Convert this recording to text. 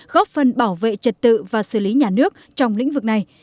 góp phần bảo vệ trật tự và xử lý nhà nước trong lĩnh vực này